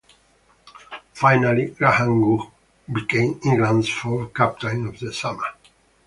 Finally, Graham Gooch became England's fourth captain of the summer.